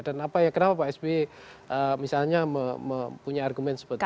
dan kenapa pak sbi misalnya mempunyai argumen seperti itu